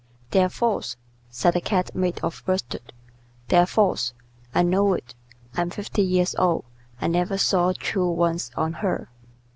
"They're false," said the Cat made of worsted. "They're false. I know it. I'm fifty years old. I never saw true ones on her."